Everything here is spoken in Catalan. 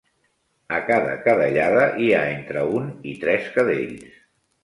A cada cadellada hi ha entre un i tres cadells.